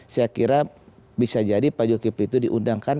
saya kira bisa jadi pak zulkifli itu diundangkan